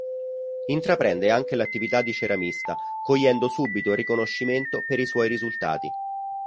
Intraprende anche l'attività di ceramista cogliendo subito riconoscimento per i suoi risultati.